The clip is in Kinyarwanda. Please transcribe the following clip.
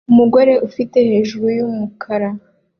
Umugore ufite hejuru yumukara